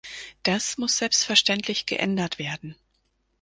Das muss selbstverständlich geändert werden.